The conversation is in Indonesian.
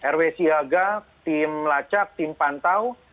rw siaga tim lacak tim pantau